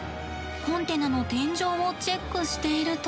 コンテナの天井をチェックしていると。